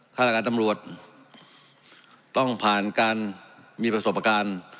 ฆาตการตำรวจต้องผ่านการมีประสบการณ์